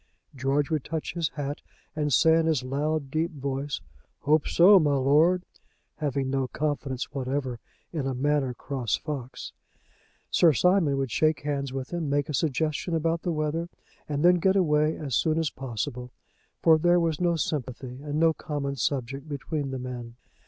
George would touch his hat and say in his loud, deep voice, "Hope so, my lord," having no confidence whatever in a Manor Cross fox. Sir Simon would shake hands with him, make a suggestion about the weather, and then get away as soon as possible; for there was no sympathy and no common subject between the men.